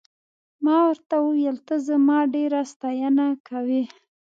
ما ورته وویل ته زما ډېره ستاینه کوې.